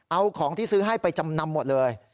เอาของที่ซื้อให้ไปจำนำหมดเลย